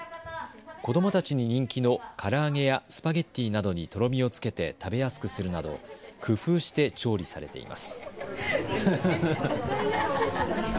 子どもたちに人気のから揚げやスパゲッティなどにとろみをつけて食べやすくするなど工夫して調理されています。